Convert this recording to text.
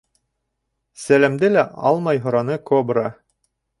— Сәләмде лә алмай һораны кобра.